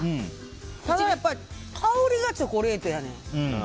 ただ、香りがチョコレートやねん。